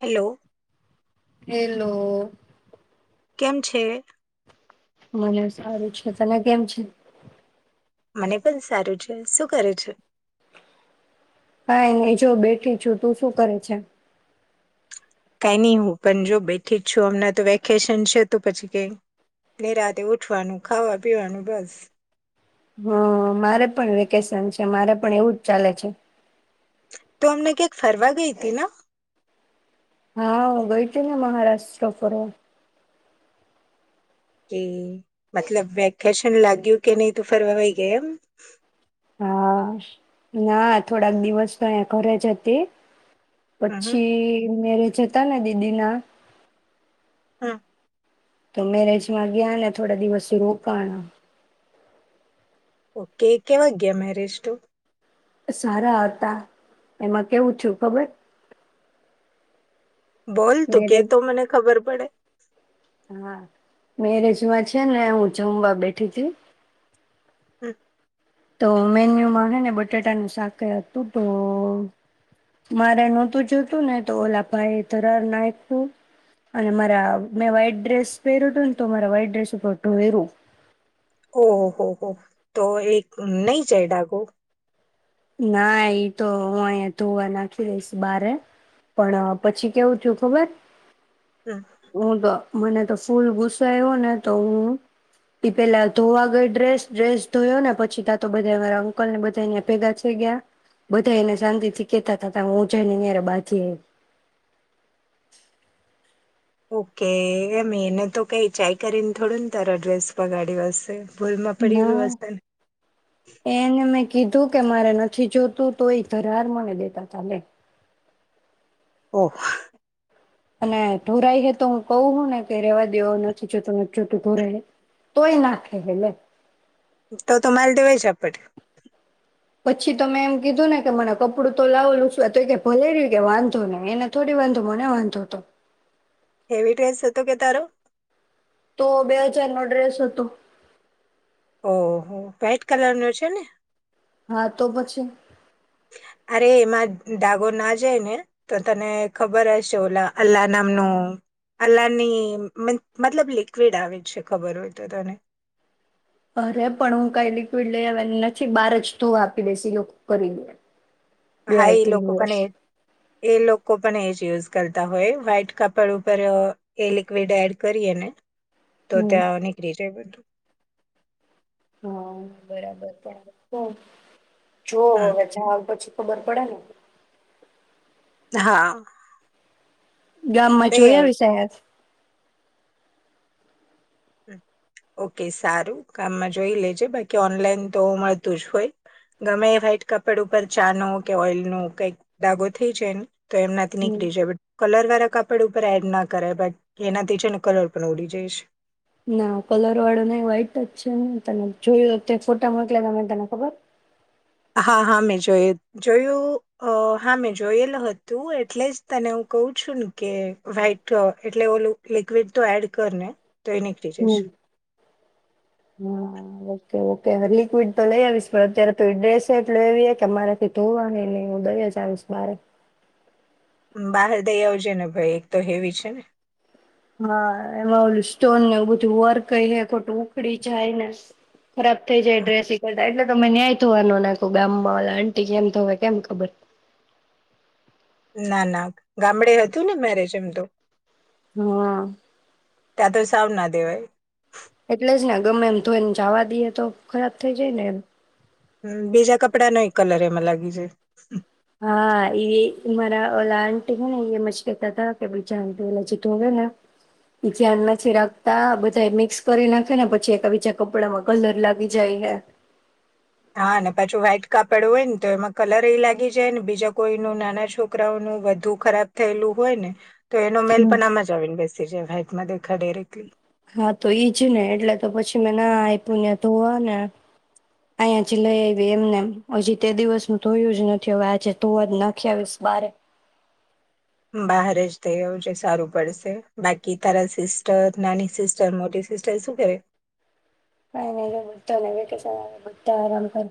Hello. Hello. કેમ છે? [unintelligible] સારું છે. તને કેમ છે? મને પણ સારું છે, શું કરે છે? કાઈ નહીં જો બેઠી છું, તું શું કરે છે. કંઈ નહી હું પણ જો બેઠી જ છું હમણાં તો વેકેશન છે, તો પછી કઈ ને રાતે ઉઠવાનું ખાવા પીવાનું બસ હ મારે પણ વેકેશન છે, મારે પણ એવું જ ચાલે છે. તું અમને ક્યાંક ફરવા ગઈતી ન? હા ગઈતી ને મહારાષ્ટ્ર ફરવા. કે મતલબ વેકેશન લાગ્યું કે નહી તું ફરવા વઈ ગઈ એમ. હા ના થોડાક દિવસ તો અહિયા ઘરે જ હતી. હ પછી મેરે જ તા ને દીદી ના હમ્મ તો મેરેજમાં ગ્યાને થોડા દિવસ રોકાણા ઓકે કેવા ગયા મેરેજ ટુ? સારા હતા એમાં કેવું [unintelligible] ખબર. બોલ તું કે મેરેજ તો મને ખબર પડે. હા મેરેજમાં છે, ને હું જમવા બેઠીતી. હમ્મ તો મેન્યુમાં હેને બટાટાનું શાકય હતું તો મારે નહોતું જોતું ને તો ઓલા ભાઈ ધરાર નાઈખું અને મારા મેં વાઈટ ડ્રેસ પહેર્યું હતું ને તો મારા વાઈટ ડ્રેસ ઉપર ઢોઈરૂ. ઓહ હો હો તો એક નઈ જય ડાગો. ના ઈ તો હું અહીયા ધોવા નાખી દઈશ બારે પણ પછી કેવું [unintelligible] ખબર. [inaudible] હું તો મને તો ફૂલ ગુસ્સો આઈવો ને તો હું ઈ પેલા ધોવા ગઈ ડ્રેસ ડ્રેસ ધોયો ને પછી ત તો બધા મારા અંકલને બધા [unintelligible] ભેગા થઈ ગયા બધા એને શાંતિથી કેતા તાતા હું જઈને એનિહારે બાજી ઓકે એમ એને તો કઈ [unintelligible] કરીને થોડુંન તારા ડ્રેસ બગડ્યો હશે. ભૂલમાં પડી ગયું ના હશે ને [inaudible] એને મે કીધું કે મારે નથી જોતું તો એ ધરાર મને દેતા તાલે ઓહ અને ઢોરાઈ હે તો હું કવ હું ને કે રેવા દયો નથી જોતું નથ જોતું ધોરાઈ હ તોય નાખેહે લે તો તો માલ દેવાય જાપાડ પછી તો મેં એમ કીધું ને કે મને કપડું તો લાવો લૂછવા તો કે ભલેર્યું કે વાંધો ન એને થોડી વાંધો મને વાંધો અતો હેવી ડ્રેસ હતો કે તારો તો બે હજાર નો ડ્રેસ હતો. ઓ હો વાઈટ કલર નો છે ને હા તો પછી અરે એમાં દાગો ના જાય ને તો તને ખબર હશે ઓલા અલ્લા નામનું અલ્લાની મિન-મતલબ લિક્વિડ આવે છે ખબર હોય તો તને અરે પણ હું કઈ લિક્વિડ લઈ આવની નથી બારજ ધોવા આપી દિશ ઈ લોકો કરી દે ડ્રાય હાઈ ક્લીન લોકો વોશ પણ એ એ લોકો પણ એ જ યુઝ કરતા હોય વાઈટ કાપડ ઉપર અ એ લિક્વિડ એડ કરીએને તો હમ ત્યાં નીકળી જાય બધ હા બરાબર બરાબર [unintelligible] જોવ હમ. હવે જાઉં પછી ખબર પડે ન હા ગામમાં દઈ આવે જોયા [unintelligible] ઓકે સારું કામમાં જોઈ લેજે બાકી ઓનલાઈન તો મળતું જ હોય ગમે વ્હાઈટ કપડ ઉપર ચાનો કે ઓઇલ ન કઈક ધાગો થઈ જાયને. તો એમના થી હમ નીકળી જાય કલર વાળા. કપડ ઉપર એડ ના કરે બટ એનાથી છેને કલર પણ ઉડી જઈશ. ના કલર વાળો નઈ વ્હાઈટ જ છે ને તને જોયું ફોટા મોકલે તમે તને ખબર. હા હા મેં જોય જોયું હા મેં જોયેલું હતું એટલે જ તને હું કહું છું ને કે વ્હાઈટ એટલે ઓ લિક્વિડ તો એડ કર ને તો એ નીકળી હમ જશે હા ઓકે ઓ. લિક્વિડ તો લઈ આવીશ પણ અત્યારે તો ડ્રેસે એટલે એવી કે મારેથી ધોવા ન નહી હું દઈ જ આવીશ. મારે બહાર દઈ આવજે ને ભાઈ એક તો હેવી છે ને. હા એમાં ઓલું સ્ટોન ને એવ બધું વર કઈ હ ખોટું ઉખડી જાય ને. રબતે જે. [unintelligible] મે ન્યાય થવાનુંખ ગામમાં ઓ આટી કેમ થય કેમ ખબર. ના ના ગામડે હતું ને મેરેજ એમ તો. હા. ત્યાં તો સાબ ના દેવાય. એટલે જ ને ગમે એમ ધોઈને ચાવા દઈએ તો ખરાબ થઈ જાય ને એમ. હ બીજા કપડા નય કલર એમાં લાગી જાય. હા એ મારા ઓ આંટીી હ ને એ મશકેતા કે બીજા આ ઓ જે તુંે ને એ ધ્યાન નથી રાખતા બધા મિક્સ કરી નાખે ને પછી એક બીજા કપડામાં કલર લાગી જાય ને. હા ને પાછું વ્હાઈટ કાપડ હોય ને તો એમાં કલર એ લાગી જાય ને બીજા કોઈનું નાના છોકરાઓનું વધુ ખરાબ થયેલું હોય ને. તો એનો મેલ હમ્મ. પણ આમ જ આવીને બેસી જાય ભાઈ. [unintelligible] હા તો ઈજ ને એટલે તો પછી મેં ના આપ્યું ને ધોવા ને અહીંયા જ લઈ આવી એમને હજી તે દિવસ ધોયું જ નથી હવે આજે ધોવા જ નાખી આવીશ બારે. બહાર જ થઈ આવુંજ સારું પડશે બાકી તારા સિસ્ટર નાની સિસ્ટર મોટી સિસ્ટર શું કરે. કઈ ન તો ભતો ન વકેશ બધ આરામ કર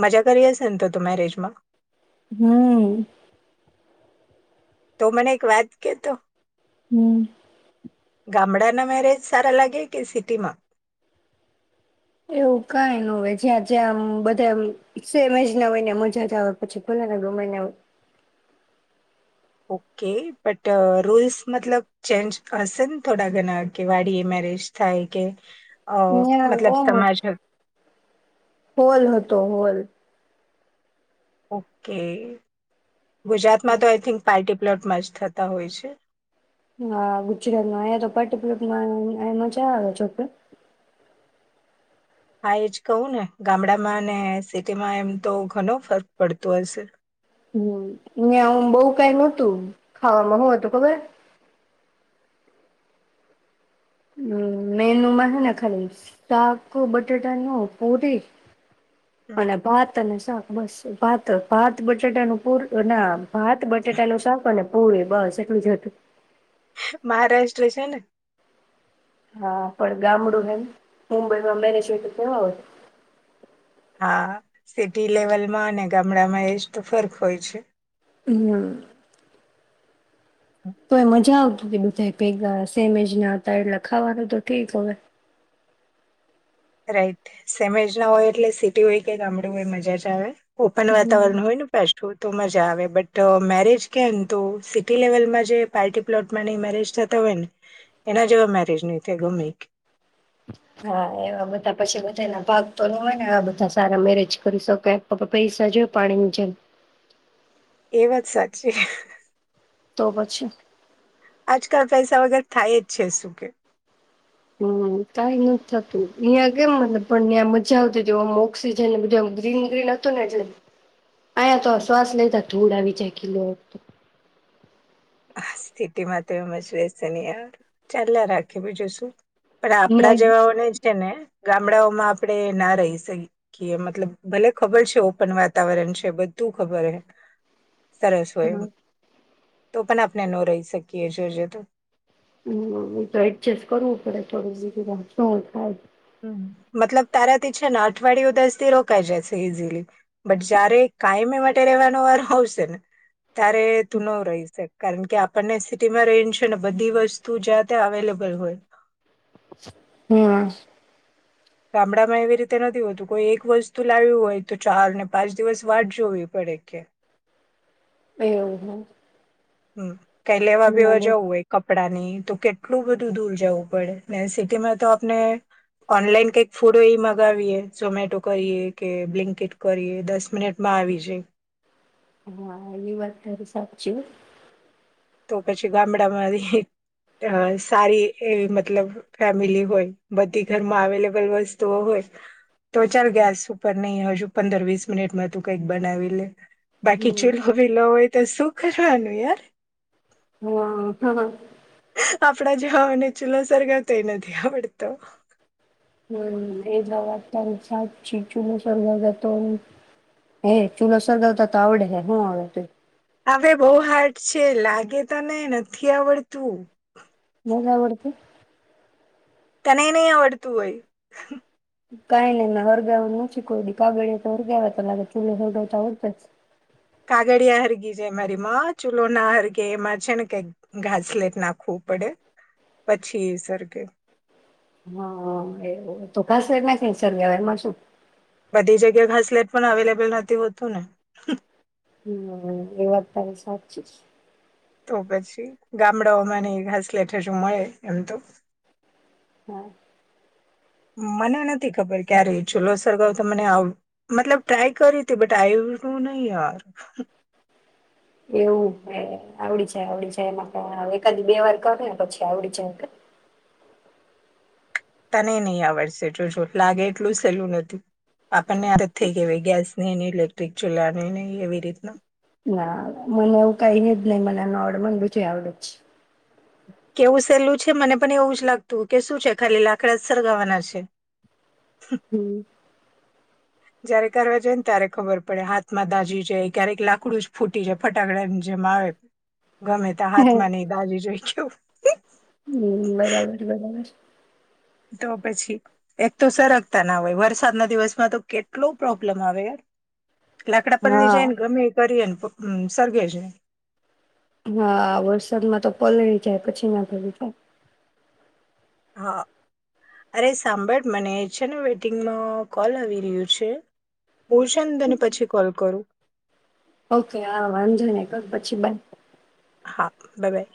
મજા કરી હશે ને તો ત મેરેજમાં હમ્મ. તો મને એક વાત કેતો? હમ. ગામડાના મેરેજ સારા લાગે કે સિટીમાં? એવું કઈ ન હોય જ્યાં જ્યાં બધા સેમેજ ના હોયને મજા જ આવે પછી ભોલે ને ગમાને. ઓકે બટ રૂલ્સ મતલબ ચેન્જ હશે ને થોડા ઘણા કે વાડી એ મેરેજ થાય કે અ ત્યાં મતલબ ઓમ સમાજ હોલ હતો હોલ. ઓકે. ગુજરાતમાં તો આઈ થિંક પાર્ટી પ્લોટમાંચ થતા હોય છે. હા ગુજરાતમાં અયા તો પાટપમાંમાં મજા આવે જોકે. હા એજ કહું ને ગામડામાં ને સિટીમાં એમ તો ઘણ ફર્ક પડતો હશે. હમ હું બહુ કઈ નહોતું ખાવામાં હોય તો ખબર. હમ મેનુમાં હેને ખાલી શાક હ બટાટાનું પુરી. હમ. અને ભાત. તને શાક બસ ભાત ભાત બટેટાનું પૂર ના ભાત બટેટા નું શાક પુરી બસ એટલું જ હતું. મહારાષ્ટ્ર છે ને. હા પણ ગામડું હેન મુંબઈમાં મેરેજ હોય તો કેવા હોય. હા સિટી લેવલમાં અને ગામડામાં એજ તો ફર્ક હોય છે. હમ્મ. તો એ મજા આવ વે, બધા ભેગા હશે સેમ એજ ના હતા એટલે ખાવાનું તો ઠીક હવે. રાઈટ. સેમ એજ ના હોય એટલે સિટી હોય કે ગામડું હોય મજા જ આવે. ઓપન હમ. વાતાવરણ હોય ને પાછું તો મજા આવે, બટ ટ મેરેજ કે ને તો સિટી લેવલમાં જે પાર્ટી પ્લોટમાં ને એ મેરેજ થતા હોય ને, એના જેવા મેરેજ નઈ થાય ગમે ઈ. હા. એવા બધા પછી બધાયના ભાગ પર હોવે ને આવા બધા સારા મેરેજ કરી શકે, પપ પૈસા જોય પાણીની જેમ. એ વાત સાચી. તો પછી. આજકાલ પૈસા વગર થાય જ છે શું કે? હમ્મ. કાઈ નથ થતું. અહિયાં કેમ મતલબ પણ ન્યા મજા આવતીતી ઓમ ઓક્સિજન ને બધું આમ ગ્રીન-ગ્રીન હતું ને એટલે, અહીંયા તો શ્વાસ લેતા ધૂળ આવી જાય કીલો એકતો. સ્થિતિમાં તો એજ રહેશે ને યાર. ચાલ્યા રાખે બીજું શું. પણ આપડા ન્યા જેવાઓને જ તે ને ગામડાઓમાં આપડે ના રહી શકીએ, મતલબ ભલે ખબર છે ઓપન વાતાવરણ છે બધું ખબર હે સરસ હોય એમ. હા તો પણ આપ ણે નો રહી શકીએ, જોજે તું. હમ્મ. ઈ તો એડજસ્ટ કરવું પડે થોડુંક, બીજું તો શું થાય? ઉમ્મ. મતલબ તારાથી છે ને અઠવાડિયું દસ દી રોકાઈ જશે ઈઝીલી, બટ જયારે કાયમ એઈ માટે રહેવાનો વારો આવશે ને ત્યારે તું નો રહી શક, કારણ કે આપ પણને સિટીમાં રહીને છે ને બધી વસ્તુ જ્યાં ત્યાં અવેલેબલ હોય. હા, ગામડામાં એવી રીતે નથી હોતું, કોઈ એક વસ્તુ લાયુ હોય, તો ચાર ને પાંચ દિવસ વાટ જોવી પડે કે એવું હા હમ્મ. કઈ લેવા બીવા જવું હોય કપ કપડાની તો કેટલું બધું દૂર જવું પડે ને સિટીમાં તો આપણે ઓનલાઈન કઈક ફૂડ એ મગાવીએ, ઝોમેટો કરીએ, કે બ્લિન્કીટ કરીએ, દસ મિનિટમાં આવી જાય. હા, એ વાત તારી સાચી, હો તો પછી ગામડામાં રેહી ત સારી એવી મતલબ ફેમિલી હોય, બધી ઘરમાં અવેલેબલ વસ્તુઓ હોય, તો ચાલ ગેસ ઉપર નહી હજુ પંદર વીસ મિનિટમાં તું કઈક બનાવી લે બાકી હમ ચૂલહો બિલો હોય તો શું કરવાનું યાર હા. આપડા જેવાઓને ચૂલો સરગવતાય નથી આવડતો. હમ્મ એ વાત તારી સાચી, ચૂલો સરગવતા તો ઉ, હે ચૂલો સરગવતા તો આવડે હે હું અવેતું અવે બૌ હાર્ડ છે, લાગે તને નથી આવડતું નથ આવડાતું તને નઈ આવડતું હોય. કઈ નઈ ના હરગાવ નું ઓછુ કોઈદિ, કાગળીયાતો હરગવ્યાતા લાગે, ચૂલો હરગાવતા આવડ તેજ કાગળિયા હરગી જાય મારી માં, ચૂલો ના હરગે, એમાં છે ને કઈ ઘાસલેટ નાખવું પડે, પછી સરગે હા, એ એતો ઘાસલેટ નાખીને સરગાવાય એમાં શું બધી જગ્યા ઘાસલેટ પણ અવેલેબલ નથી હોતું ને હમ્મ, એ વાત તારી સાચ્ચીજ તો પછી ગામડાઓમાં ને ઘાસલેઠ હજુ મળે એમ તો હા. મને નથી ખબર ક્યારે ચુલો સરગાવ તો મને આવ મતલબ ટ્રાય કરી તી, બટ આઇવું [unintelligible] નહી યાર એવું હે આવડી જાય, આવડી જાય, એમાં કા એકાદ બે વાર કરે ને પછી આવડી જાય કે તને નઈ આવડશે જોજો, લાગે એટલું સહેલું નથી પાક આપને આદત થઈ કેવાય ગેસની ની ઇલેક્ટ્રિક ચૂલાની નઈ એવી રીતના ના મને એવું કઈ ન જ નઈ, મને નોર્મલ બધુંય આવડેજ છે. કેવું સહેલું છે, મને પણ એવું જ લાગતું, કે શું છે ખાલી લાકડા સરગાવાના છે. હમ્મ. જયારે કરવા જાય ને ત્યારે ખબર પડે હાથમાં દાઝી જાય, ક્યારેક લાકડું જ ફૂટી જાય, ફટાકડા જેમ આવે ગમે તા હાથમાં નઈ દાજી જોઈ છું તું હમ બરાબર બરાબર. તો પછી, એક તો સરગતા ના હોય વરસાદના દિવસમાં તો કેટલો પ્રોબ્લમ આવે યાર લાકડા પલડી હા. જાય ને ગમે એ કરીએ ન તો ઉમ્મ સરગે છે. હા, વરસાદમાં તો પલળી જાય, પછી ના ભલી થાય. હા, અરે સાંભળ મને છે વેટિંગમાં કોલ આવી રહ્યું છે, હું છેન તને પછી કોલ કરું. ઓકે, હા વાંધો નઈ, કર પછી બાઇ. હા, બબાઈ.